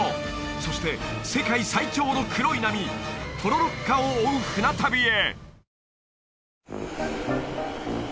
そして世界最長の黒い波ポロロッカを追う船旅へ！